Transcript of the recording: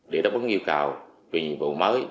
để đáp ứng yêu cầu về nhiệm vụ mới